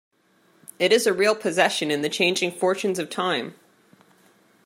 It is a real possession in the changing fortunes of time.